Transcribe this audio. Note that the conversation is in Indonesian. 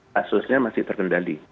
kasusnya masih terkendali